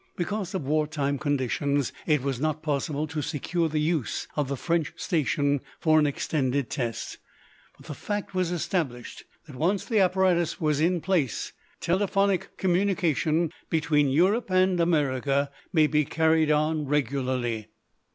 Because of war time conditions it was not possible to secure the use of the French station for an extended test, but the fact was established that once the apparatus is in place telephonic communication between Europe and America may he carried on regularly.